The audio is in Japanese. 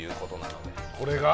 これが？